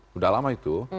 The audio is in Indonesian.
sudah lama itu